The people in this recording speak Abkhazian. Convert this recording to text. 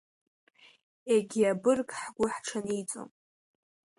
Егьи абырг ҳгәы ҳҽаниҵон…